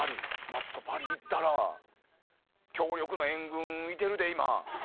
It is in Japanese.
マツコパリ行ったら強力な援軍いてるで今。